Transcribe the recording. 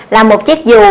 là một chiếc dù